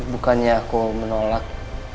bukannya aku menolak